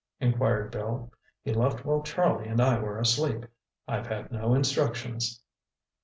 inquired Bill. "He left while Charlie and I were asleep. I've had no instructions."